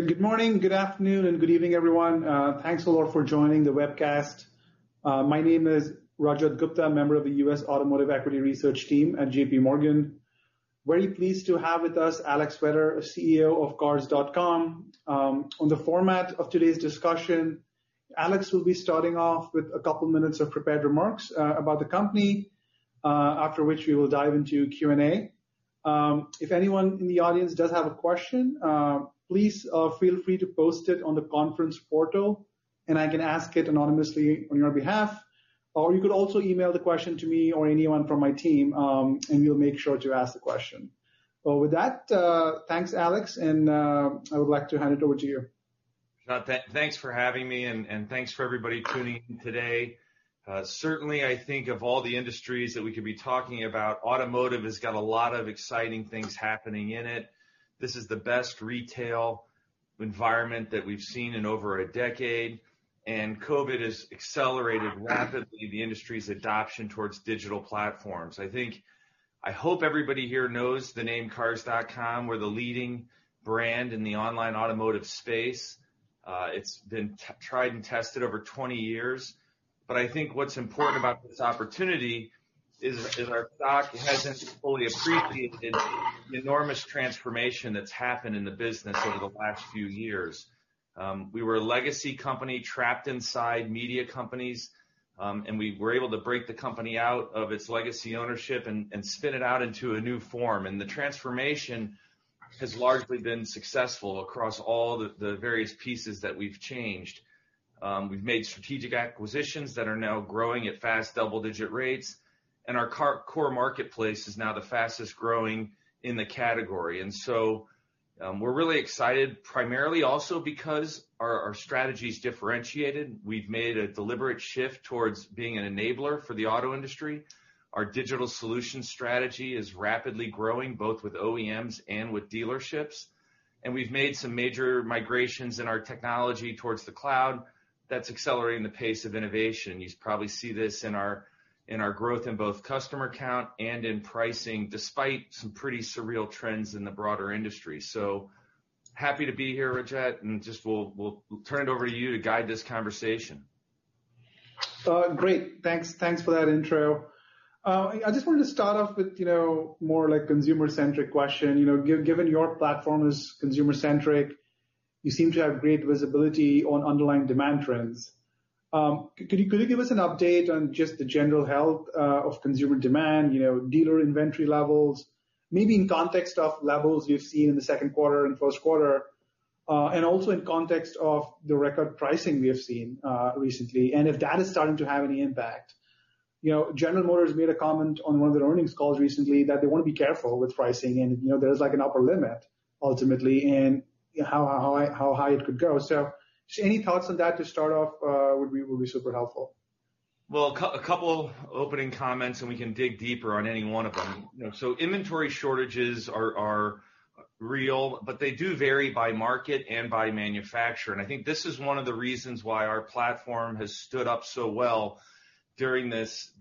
Good morning, good afternoon, and good evening, everyone. Thanks a lot for joining the webcast. My name is Rajat Gupta, Member of the U.S. Automotive Equity Research team at JPMorgan. Very pleased to have with us Alex Vetter, CEO of Cars.com. On the format of today's discussion, Alex will be starting off with a couple minutes of prepared remarks about the company, after which we will dive into Q and A. If anyone in the audience does have a question, please feel free to post it on the conference portal, and I can ask it anonymously on your behalf. You could also email the question to me or anyone from my team, and we'll make sure to ask the question. With that, thanks, Alex, and I would like to hand it over to you. Rajat, thanks for having me. Thanks for everybody tuning in today. Certainly, I think of all the industries that we could be talking about, automotive has got a lot of exciting things happening in it. This is the best retail environment that we've seen in over a decade. COVID has accelerated rapidly the industry's adoption towards digital platforms. I hope everybody here knows the name Cars.com. We're the leading brand in the online automotive space. It's been tried and tested over 20 years. I think what's important about this opportunity is our stock hasn't fully appreciated the enormous transformation that's happened in the business over the last few years. We were a legacy company trapped inside media companies. We were able to break the company out of its legacy ownership and spin it out into a new form. The transformation has largely been successful across all the various pieces that we've changed. We've made strategic acquisitions that are now growing at fast double-digit rates. Our core marketplace is now the fastest-growing in the category. We're really excited, primarily also because our strategy's differentiated. We've made a deliberate shift towards being an enabler for the auto industry. Our digital solution strategy is rapidly growing, both with OEMs and with dealerships. We've made some major migrations in our technology towards the cloud that's accelerating the pace of innovation. You probably see this in our growth in both customer count and in pricing, despite some pretty surreal trends in the broader industry. Happy to be here, Rajat, and just we'll turn it over to you to guide this conversation. Great. Thanks for that intro. I just wanted to start off with more consumer-centric question. Given your platform is consumer-centric, you seem to have great visibility on underlying demand trends. Could you give us an update on just the general health of consumer demand, dealer inventory levels? Maybe in context of levels you've seen in the second quarter and first quarter. Also in context of the record pricing we have seen recently, and if that is starting to have any impact. General Motors made a comment on one of their earnings calls recently that they want to be careful with pricing and there's an upper limit ultimately in how high it could go. Just any thoughts on that to start off would be super helpful. Well, a couple opening comments, and we can dig deeper on any one of them. Inventory shortages are real, but they do vary by market and by manufacturer. I think this is one of the reasons why our platform has stood up so well during this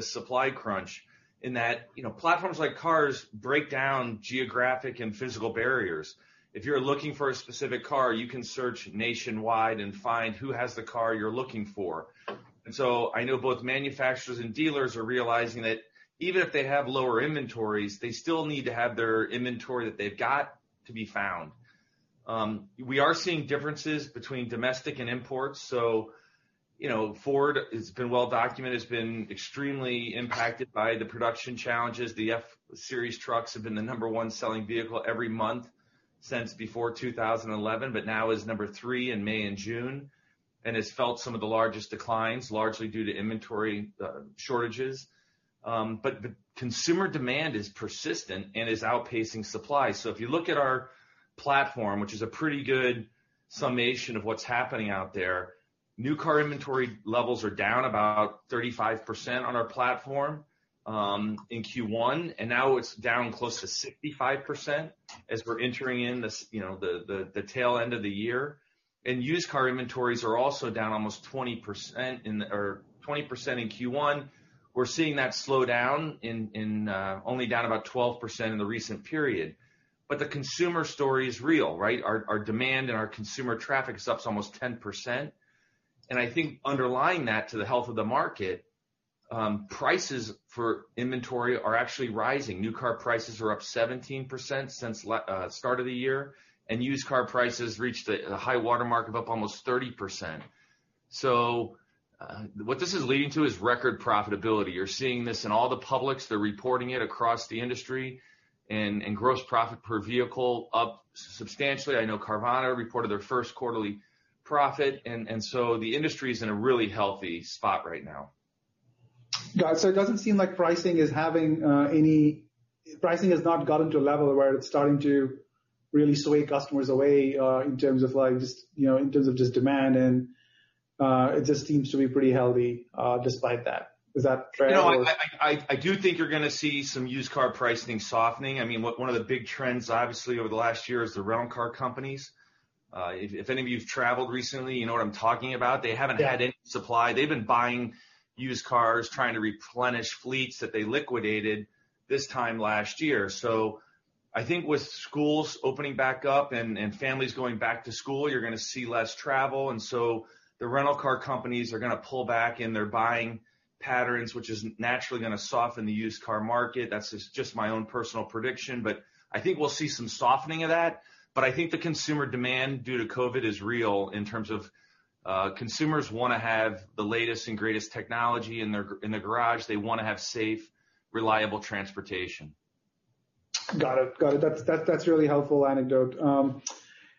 supply crunch in that platforms like Cars break down geographic and physical barriers. If you're looking for a specific car, you can search nationwide and find who has the car you're looking for. I know both manufacturers and dealers are realizing that even if they have lower inventories, they still need to have their inventory that they've got to be found. We are seeing differences between domestic and imports. Ford, it's been well documented, has been extremely impacted by the production challenges. The F-Series trucks have been the number one selling vehicle every month since before 2011, but now is number three in May and June and has felt some of the largest declines, largely due to inventory shortages. The consumer demand is persistent and is outpacing supply. If you look at our platform, which is a pretty good summation of what's happening out there, new car inventory levels are down about 35% on our platform in Q1, and now it's down close to 65% as we're entering in the tail end of the year. Used car inventories are also down almost 20% in Q1. We're seeing that slow down in only down about 12% in the recent period. The consumer story is real, right? Our demand and our consumer traffic is up almost 10%. I think underlying that to the health of the market, prices for inventory are actually rising. New car prices are up 17% since start of the year. Used car prices reached a high water mark of up almost 30%. What this is leading to is record profitability. You're seeing this in all the publics. They're reporting it across the industry. Gross profit per vehicle up substantially. I know Carvana reported their first quarterly profit. The industry is in a really healthy spot right now. Got it. It doesn't seem like pricing has not gotten to a level where it's starting to really sway customers away, in terms of just demand and it just seems to be pretty healthy despite that. Is that fair? I do think you're going to see some used car pricing softening. One of the big trends, obviously, over the last year is the rental car companies. If any of you have traveled recently, you know what I'm talking about. Yeah. They haven't had any supply. They've been buying used cars, trying to replenish fleets that they liquidated this time last year. I think with schools opening back up and families going back to school, you're going to see less travel. The rental car companies are going to pull back in their buying patterns, which is naturally going to soften the used car market. That's just my own personal prediction, but I think we'll see some softening of that. I think the consumer demand due to COVID is real in terms of consumers wanna have the latest and greatest technology in their garage. They wanna have safe, reliable transportation. Got it. That's a really helpful anecdote.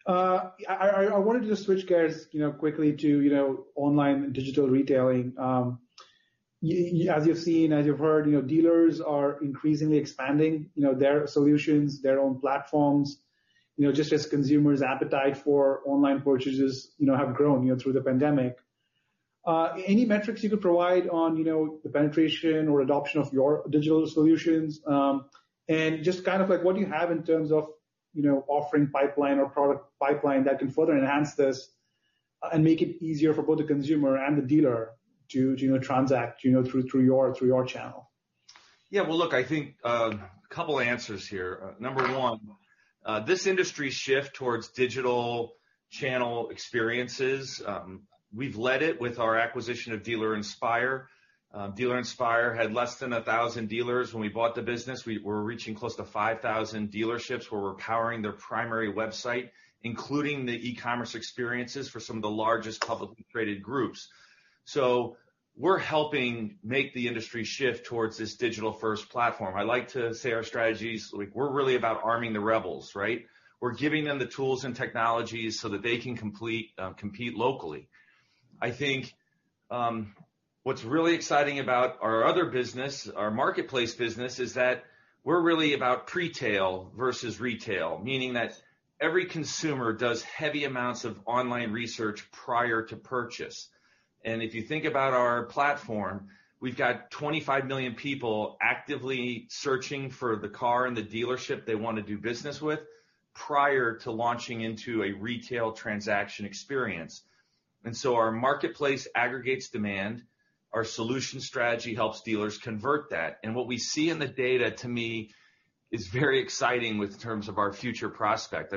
I wanted to switch gears quickly to online digital retailing. As you've seen, as you've heard, dealers are increasingly expanding their solutions, their own platforms, just as consumers' appetite for online purchases have grown through the pandemic. Any metrics you could provide on the penetration or adoption of your digital solutions? Just kind of what do you have in terms of offering pipeline or product pipeline that can further enhance this and make it easier for both the consumer and the dealer to transact through your channel? Yeah. Well, look, I think a couple answers here. Number one, this industry shift towards digital channel experiences, we've led it with our acquisition of Dealer Inspire. Dealer Inspire had less than 1,000 dealers when we bought the business. We're reaching close to 5,000 dealerships where we're powering their primary website, including the e-commerce experiences for some of the largest publicly traded groups. We're helping make the industry shift towards this digital-first platform. I like to say our strategies, we're really about arming the rebels, right? We're giving them the tools and technologies so that they can compete locally. I think what's really exciting about our other business, our marketplace business, is that we're really about pre-tail versus retail, meaning that every consumer does heavy amounts of online research prior to purchase. If you think about our platform, we've got 25 million people actively searching for the car and the dealership they want to do business with prior to launching into a retail transaction experience. Our marketplace aggregates demand. Our solution strategy helps dealers convert that. What we see in the data, to me, is very exciting with terms of our future prospect.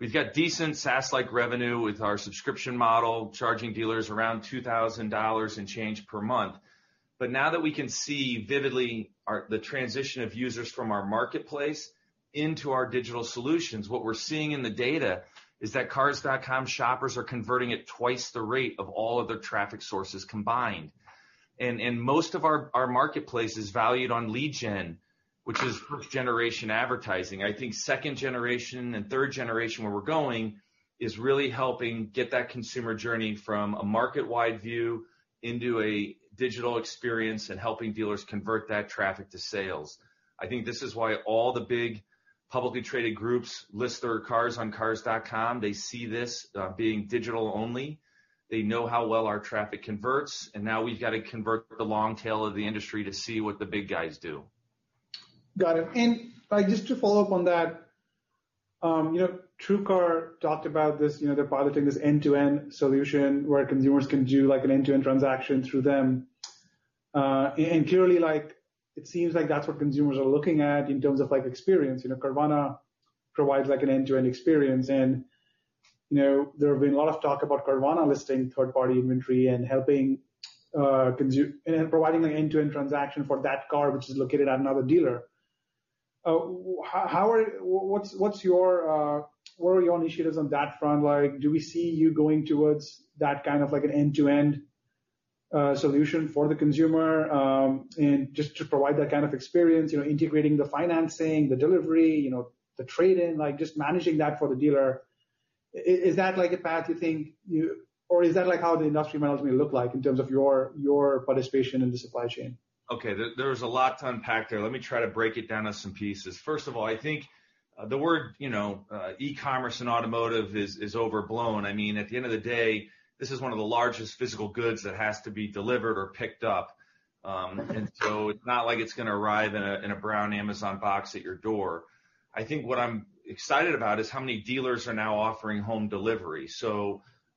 We've got decent SaaS-like revenue with our subscription model, charging dealers around $2,000 and change per month. Now that we can see vividly the transition of users from our marketplace into our digital solutions, what we're seeing in the data is that Cars.com shoppers are converting at twice the rate of all other traffic sources combined. Most of our marketplace is valued on lead gen, which is 1st-generation advertising. I think 2nd-generation and 3rd-generation, where we're going, is really helping get that consumer journey from a market-wide view into a digital experience and helping dealers convert that traffic to sales. I think this is why all the big publicly traded groups list their cars on Cars.com. They see this being digital only. They know how well our traffic converts, and now we've got to convert the long tail of the industry to see what the big guys do. Got it. Just to follow up on that, TrueCar talked about this. They're piloting this end-to-end solution where consumers can do an end-to-end transaction through them. Clearly, it seems like that's what consumers are looking at in terms of experience. Carvana provides an end-to-end experience, and there have been a lot of talk about Carvana listing third-party inventory and providing an end-to-end transaction for that car, which is located at another dealer. What are your initiatives on that front? Do we see you going towards that kind of an end-to-end solution for the consumer? Just to provide that kind of experience, integrating the financing, the delivery, the trade-in, just managing that for the dealer. Is that a path you think or is that how the industry might ultimately look like in terms of your participation in the supply chain? Okay. There is a lot to unpack there. Let me try to break it down to some pieces. First of all, I think the word e-commerce in automotive is overblown. At the end of the day, this is one of the largest physical goods that has to be delivered or picked up. It's not like it's going to arrive in a brown Amazon box at your door. I think what I'm excited about is how many dealers are now offering home delivery.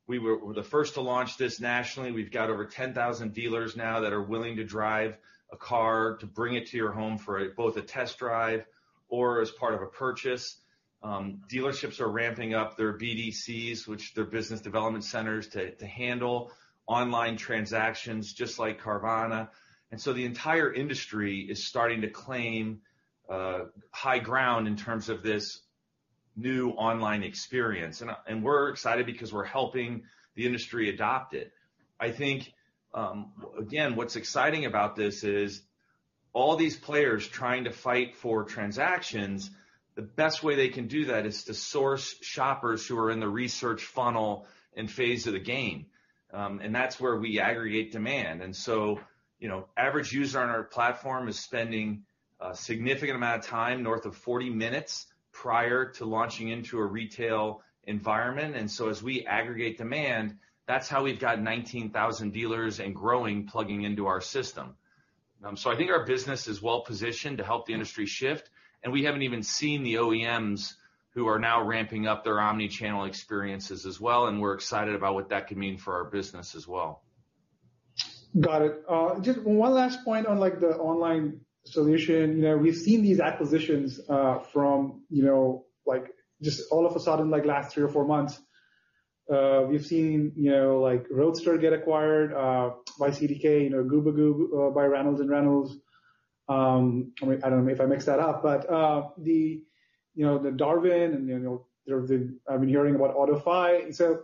We were the first to launch this nationally. We've got over 10,000 dealers now that are willing to drive a car to bring it to your home for both a test drive or as part of a purchase. Dealerships are ramping up their BDCs, which are their Business Development Centers, to handle online transactions, just like Carvana. The entire industry is starting to claim high ground in terms of this new online experience. We're excited because we're helping the industry adopt it. I think, again, what's exciting about this is all these players trying to fight for transactions, the best way they can do that is to source shoppers who are in the research funnel and phase of the game. That's where we aggregate demand. Average user on our platform is spending a significant amount of time, north of 40 minutes, prior to launching into a retail environment. As we aggregate demand, that's how we've got 19,000 dealers and growing plugging into our system. I think our business is well-positioned to help the industry shift, and we haven't even seen the OEMs who are now ramping up their omni-channel experiences as well, and we're excited about what that could mean for our business as well. Got it. Just one last point on the online solution. We've seen these acquisitions from just all of a sudden, like last three or four months. We've seen Roadster get acquired by CDK, Gubagoo by Reynolds and Reynolds. I don't know if I mixed that up, but the Darwin and I've been hearing about AutoFi.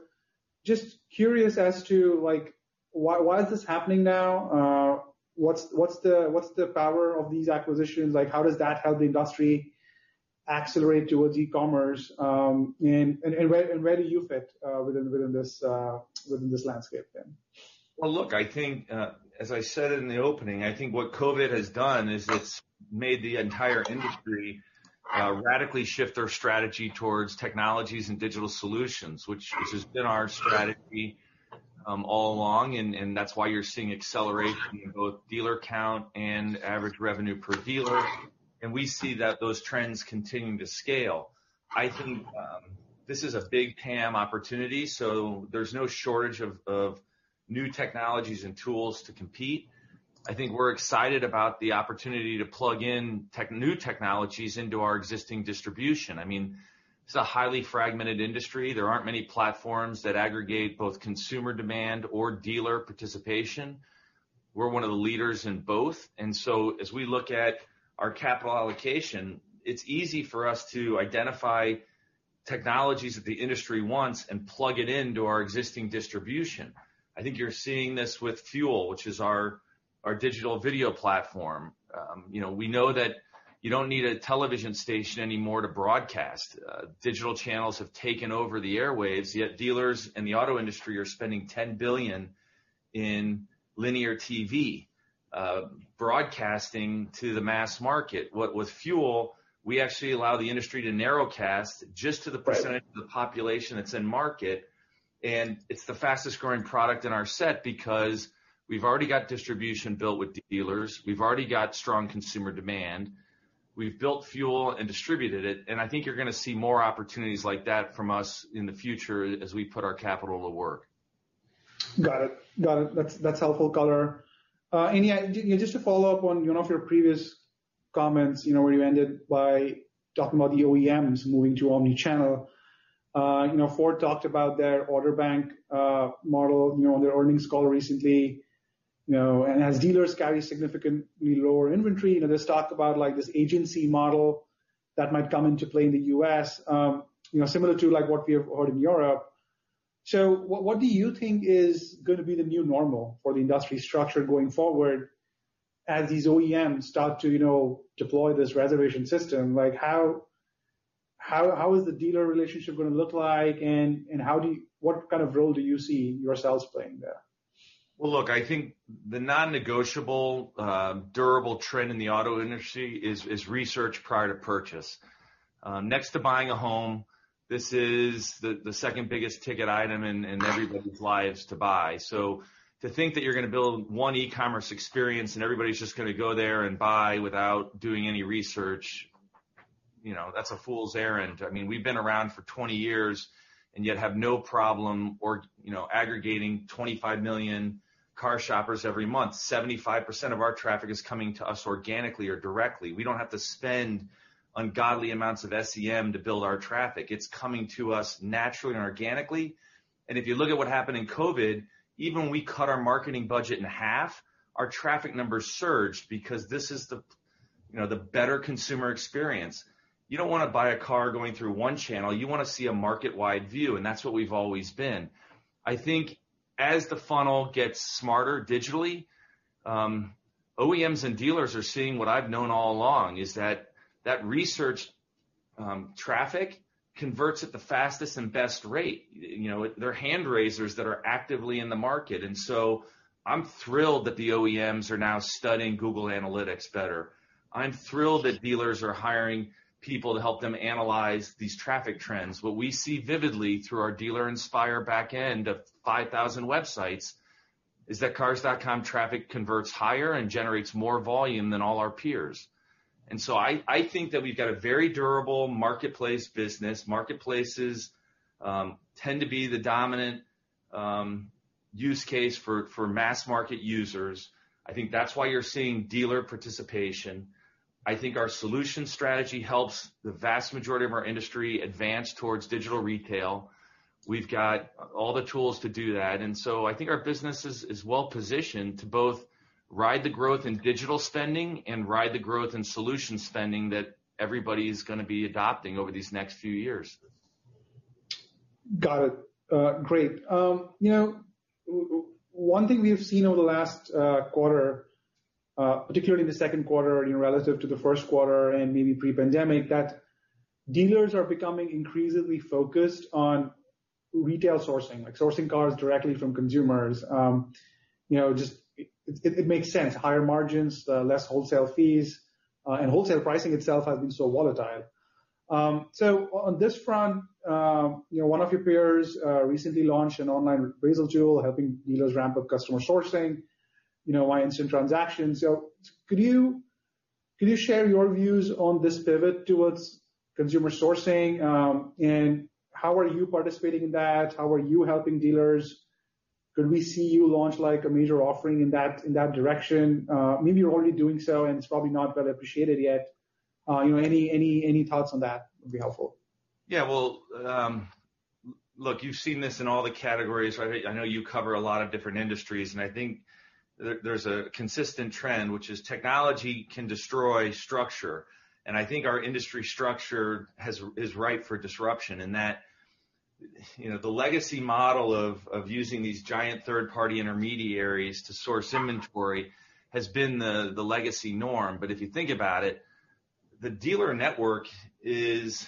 Just curious as to why is this happening now? What's the power of these acquisitions? How does that help the industry accelerate towards e-commerce? Where do you fit within this landscape then? Well, look, I think, as I said in the opening, I think what COVID has done is it's made the entire industry radically shift their strategy towards technologies and digital solutions, which has been our strategy all along, and that's why you're seeing acceleration in both dealer count and average revenue per dealer. We see that those trends continuing to scale. I think this is a big TAM opportunity, so there's no shortage of new technologies and tools to compete. I think we're excited about the opportunity to plug in new technologies into our existing distribution. It's a highly fragmented industry. There aren't many platforms that aggregate both consumer demand or dealer participation. We're one of the leaders in both. As we look at our capital allocation, it's easy for us to identify technologies that the industry wants and plug it into our existing distribution. I think you're seeing this with FUEL, which is our digital video platform. We know that you don't need a television station anymore to broadcast. Digital channels have taken over the airwaves, yet dealers in the auto industry are spending $10 billion in linear TV broadcasting to the mass market. With FUEL, we actually allow the industry to narrowcast just to the percentage of the population that's in market. It's the fastest-growing product in our set because we've already got distribution built with dealers. We've already got strong consumer demand. We've built FUEL and distributed it, and I think you're going to see more opportunities like that from us in the future as we put our capital to work. Got it. That's helpful color. Just to follow up on 1 of your previous comments where you ended by talking about the OEMs moving to omni-channel. Ford talked about their order bank model on their earnings call recently. As dealers carry significantly lower inventory, there's talk about this agency model that might come into play in the U.S. Similar to what we have heard in Europe. What do you think is going to be the new normal for the industry structure going forward as these OEMs start to deploy this reservation system? How is the dealer relationship going to look like, and what kind of role do you see yourselves playing there? Look, I think the non-negotiable durable trend in the auto industry is research prior to purchase. Next to buying a home, this is the second biggest ticket item in everybody's lives to buy. To think that you're going to build one e-commerce experience, and everybody's just going to go there and buy without doing any research, that's a fool's errand. We've been around for 20 years and yet have no problem aggregating 25 million car shoppers every month. 75% of our traffic is coming to us organically or directly. We don't have to spend ungodly amounts of SEM to build our traffic. It's coming to us naturally and organically. If you look at what happened in COVID, even when we cut our marketing budget in half, our traffic numbers surged because this is the better consumer experience. You don't want to buy a car going through one channel. You want to see a market-wide view, and that's what we've always been. I think as the funnel gets smarter digitally, OEMs and dealers are seeing what I've known all along, is that research traffic converts at the fastest and best rate. They're hand raisers that are actively in the market. I'm thrilled that the OEMs are now studying Google Analytics better. I'm thrilled that dealers are hiring people to help them analyze these traffic trends. What we see vividly through our Dealer Inspire backend of 5,000 websites is that Cars.com traffic converts higher and generates more volume than all our peers. I think that we've got a very durable marketplace business. Marketplaces tend to be the dominant use case for mass market users. I think that's why you're seeing dealer participation. I think our solution strategy helps the vast majority of our industry advance towards digital retail. We've got all the tools to do that. I think our business is well-positioned to both ride the growth in digital spending and ride the growth in solution spending that everybody's going to be adopting over these next few years. Got it. Great. One thing we've seen over the last quarter, particularly in the second quarter relative to the first quarter and maybe pre-pandemic, that dealers are becoming increasingly focused on retail sourcing, like sourcing cars directly from consumers. It makes sense. Higher margins, less wholesale fees, and wholesale pricing itself has been so volatile. On this front, one of your peers recently launched an online appraisal tool helping dealers ramp up customer sourcing via instant transactions. Could you share your views on this pivot towards consumer sourcing? How are you participating in that? How are you helping dealers? Could we see you launch a major offering in that direction? Maybe you're already doing so and it's probably not well appreciated yet. Any thoughts on that would be helpful. Well, look, you've seen this in all the categories. I know you cover a lot of different industries, I think there's a consistent trend, which is technology can destroy structure. I think our industry structure is ripe for disruption in that, the legacy model of using these giant third-party intermediaries to source inventory has been the legacy norm. If you think about it, the dealer network is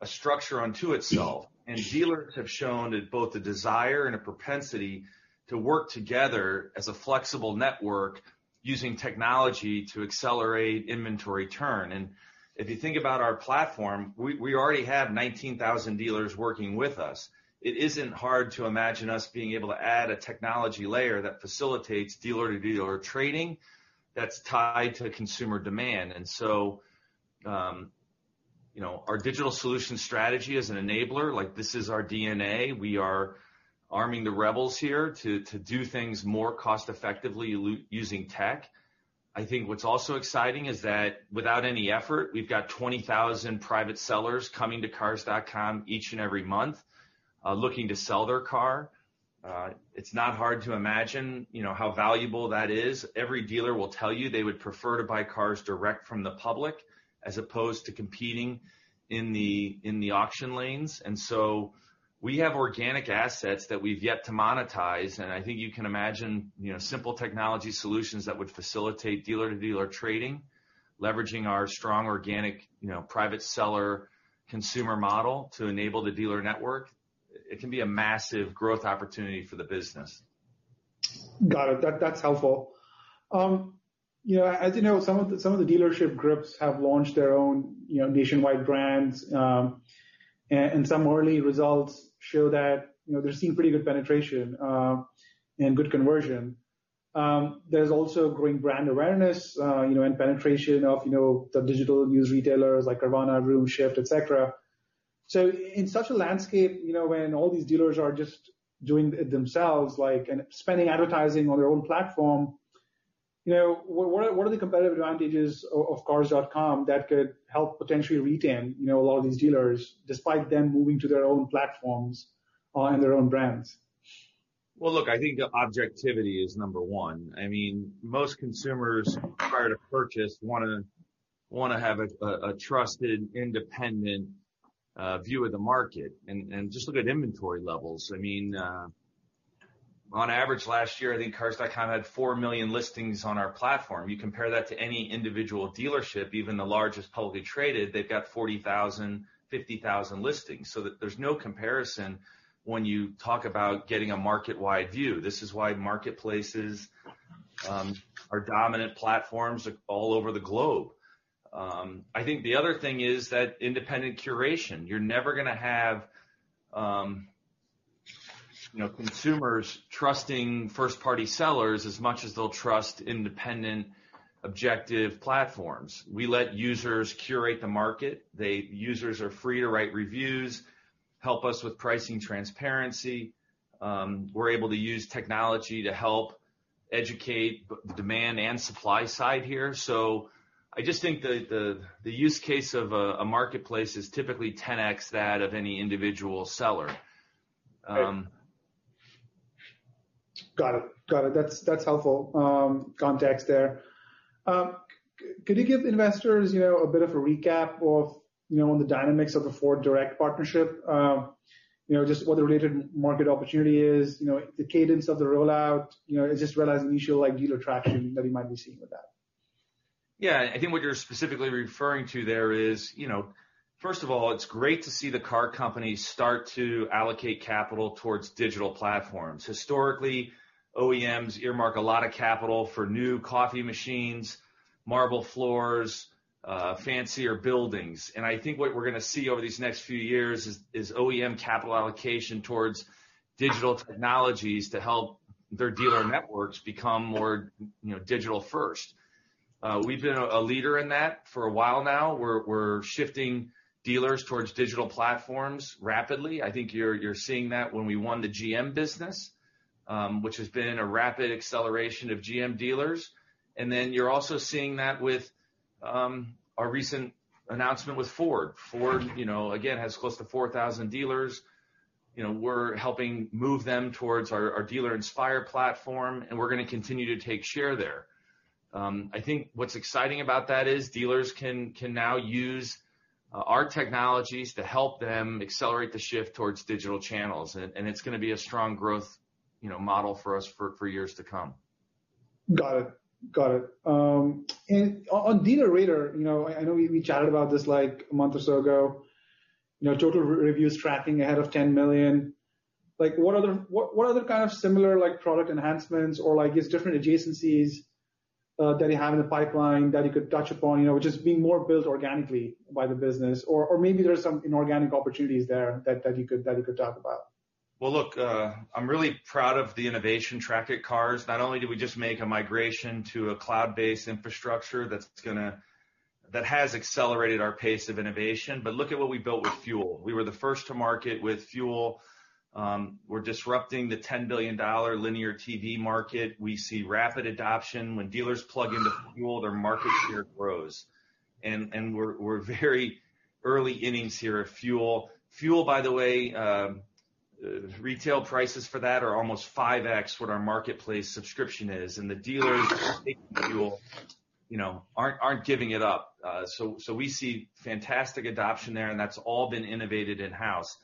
a structure unto itself. Dealers have shown that both a desire and a propensity to work together as a flexible network using technology to accelerate inventory turn. If you think about our platform, we already have 19,000 dealers working with us. It isn't hard to imagine us being able to add a technology layer that facilitates dealer-to-dealer trading that's tied to consumer demand. So, our digital solution strategy is an enabler. This is our DNA. We are arming the rebels here to do things more cost effectively using tech. I think what's also exciting is that without any effort, we've got 20,000 private sellers coming to Cars.com each and every month, looking to sell their car. It's not hard to imagine how valuable that is. Every dealer will tell you they would prefer to buy cars direct from the public as opposed to competing in the auction lanes. We have organic assets that we've yet to monetize, and I think you can imagine simple technology solutions that would facilitate dealer-to-dealer trading, leveraging our strong organic, private seller consumer model to enable the dealer network. It can be a massive growth opportunity for the business. Got it. That's helpful. You know, some of the dealership groups have launched their own nationwide brands. Some early results show that they're seeing pretty good penetration and good conversion. There's also growing brand awareness and penetration of the digital used retailers like Carvana, RideShift, et cetera. In such a landscape, when all these dealers are just doing it themselves, and spending advertising on their own platform, what are the competitive advantages of Cars.com that could help potentially retain a lot of these dealers, despite them moving to their own platforms and their own brands? Well, look, I think the objectivity is number one. Most consumers, prior to purchase, want to have a trusted, independent view of the market. Just look at inventory levels. On average, last year, I think Cars.com had four million listings on our platform. You compare that to any individual dealership, even the largest publicly traded, they've got 40,000, 50,000 listings. There's no comparison when you talk about getting a market-wide view. This is why marketplaces are dominant platforms all over the globe. I think the other thing is that independent curation. You're never going to have consumers trusting first-party sellers as much as they'll trust independent, objective platforms. We let users curate the market. The users are free to write reviews, help us with pricing transparency. We're able to use technology to help educate the demand and supply side here. I just think the use case of a marketplace is typically 10x that of any individual seller. Got it. That's helpful context there. Could you give investors a bit of a recap on the dynamics of the FordDirect partnership? Just what the related market opportunity is, the cadence of the rollout, as well as initial dealer traction that you might be seeing with that. Yeah. I think what you're specifically referring to there is, first of all, it's great to see the car companies start to allocate capital towards digital platforms. Historically, OEMs earmark a lot of capital for new coffee machines, marble floors, fancier buildings. I think what we're going to see over these next few years is OEM capital allocation towards digital technologies to help their dealer networks become more digital first. We've been a leader in that for a while now. We're shifting dealers towards digital platforms rapidly. I think you're seeing that when we won the GM business, which has been a rapid acceleration of GM dealers. Then you're also seeing that with our recent announcement with Ford. Ford, again, has close to 4,000 dealers. We're helping move them towards our Dealer Inspire platform, and we're going to continue to take share there. I think what's exciting about that is dealers can now use our technologies to help them accelerate the shift towards digital channels. It's going to be a strong growth model for us for years to come. Got it. Got it. On DealerRater, I know we chatted about this a month or so ago, total reviews tracking ahead of 10 million. What other kind of similar product enhancements or different adjacencies that you have in the pipeline that you could touch upon, which is being more built organically by the business, or maybe there's some inorganic opportunities there that you could talk about. Well, look, I'm really proud of the innovation track at Cars. Not only did we just make a migration to a cloud-based infrastructure that has accelerated our pace of innovation, look at what we built with FUEL. We were the first to market with FUEL. We're disrupting the $10 billion linear TV market. We see rapid adoption. When dealers plug into FUEL, their market share grows. We're very early innings here at FUEL. FUEL, by the way, retail prices for that are almost 5x what our marketplace subscription is. The dealers taking FUEL aren't giving it up. We see fantastic adoption there, and that's all been innovated in-house.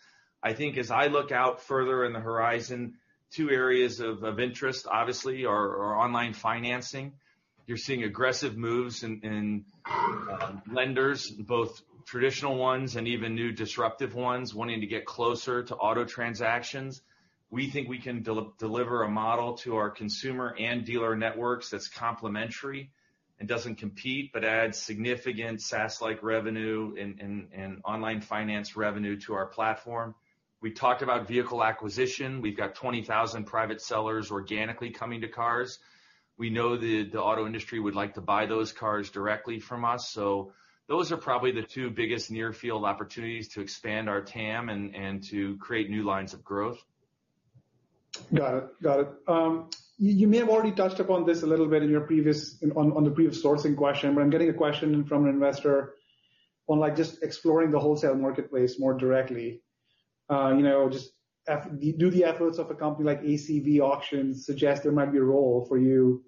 I think as I look out further in the horizon, two areas of interest obviously are online financing. You're seeing aggressive moves in lenders, both traditional ones and even new disruptive ones wanting to get closer to auto transactions. We think we can deliver a model to our consumer and dealer networks that's complementary and doesn't compete, but adds significant SaaS-like revenue and online finance revenue to our platform. We talked about vehicle acquisition. We've got 20,000 private sellers organically coming to Cars. We know that the auto industry would like to buy those cars directly from us. Those are probably the two biggest near field opportunities to expand our TAM and to create new lines of growth. Got it. You may have already touched upon this a little bit on the previous sourcing question, but I'm getting a question from an investor on just exploring the wholesale marketplace more directly. Just do the efforts of a company like ACV Auctions suggest there might be a role for you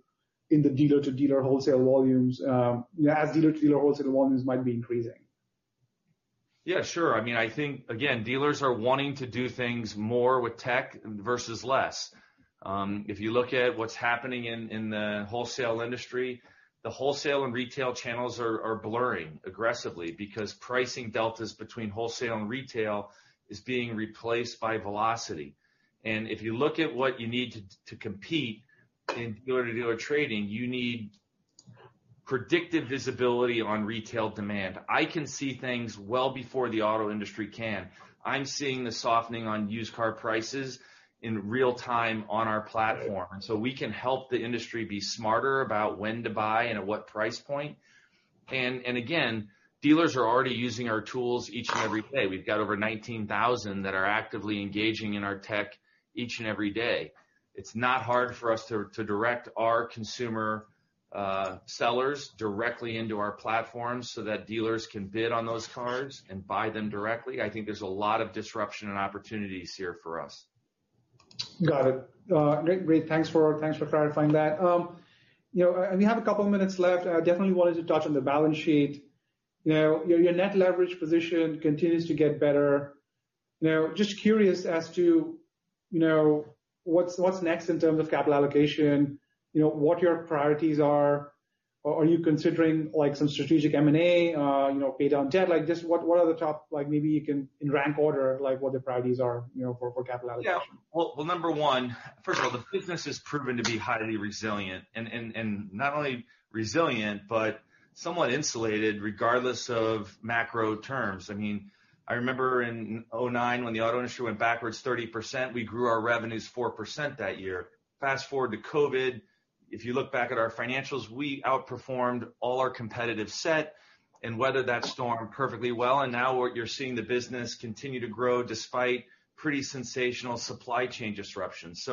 in the dealer-to-dealer wholesale volumes, as dealer-to-dealer wholesale volumes might be increasing? Yeah, sure. I think, again, dealers are wanting to do things more with tech versus less. If you look at what's happening in the wholesale industry, the wholesale and retail channels are blurring aggressively because pricing deltas between wholesale and retail is being replaced by velocity. If you look at what you need to compete in dealer-to-dealer trading, you need predictive visibility on retail demand. I can see things well before the auto industry can. I'm seeing the softening on used car prices in real time on our platform. We can help the industry be smarter about when to buy and at what price point. Again, dealers are already using our tools each and every day. We've got over 19,000 that are actively engaging in our tech each and every day. It's not hard for us to direct our consumer sellers directly into our platform so that dealers can bid on those cars and buy them directly. I think there's a lot of disruption and opportunities here for us. Got it. Great. Thanks for clarifying that. We have a couple of minutes left. I definitely wanted to touch on the balance sheet. Your net leverage position continues to get better. Now, just curious as to what's next in terms of capital allocation, what your priorities are. Are you considering some strategic M&A, pay down debt? Just what are the top, maybe you can in rank order, what the priorities are for capital allocation? Yeah. Well, number one, first of all, the business has proven to be highly resilient. Not only resilient, but somewhat insulated regardless of macro terms. I remember in 2009 when the auto industry went backwards 30%, we grew our revenues 4% that year. Fast-forward to COVID, if you look back at our financials, we outperformed all our competitive set and weathered that storm perfectly well. Now what you're seeing the business continue to grow despite pretty sensational supply chain disruptions.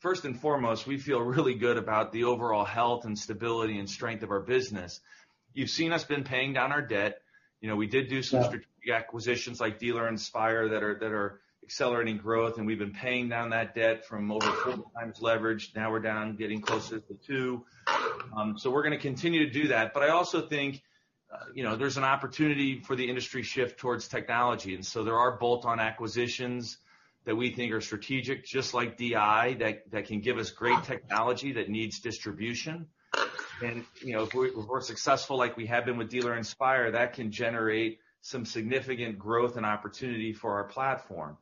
First and foremost, we feel really good about the overall health and stability and strength of our business. You've seen us been paying down our debt. We did do some strategic acquisitions like Dealer Inspire that are accelerating growth, and we've been paying down that debt from over 4x leverage, now we're down getting closer to two. We're going to continue to do that. I also think there's an opportunity for the industry shift towards technology. There are bolt-on acquisitions that we think are strategic, just like DI, that can give us great technology that needs distribution. If we're successful like we have been with Dealer Inspire, that can generate some significant growth and opportunity for our platform.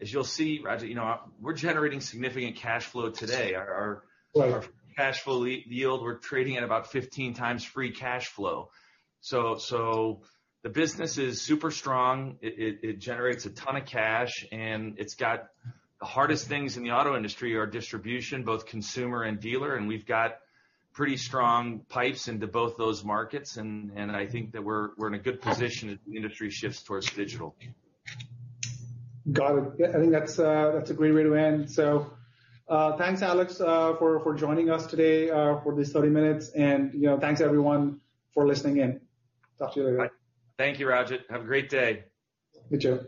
As you'll see, Rajat, we're generating significant cash flow today. Right. Our cash flow yield, we're trading at about 15 times free cash flow. The business is super strong. It generates a ton of cash, and it's got the hardest things in the auto industry are distribution, both consumer and dealer, and we've got pretty strong pipes into both those markets, and I think that we're in a good position as the industry shifts towards digital. Got it. I think that's a great way to end. Thanks Alex for joining us today for these 30 minutes and thanks everyone for listening in. Talk to you later. Thank you, Rajat. Have a great day. You too.